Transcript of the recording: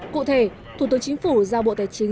cụ thể thủ tướng chính phủ giao bộ tài chính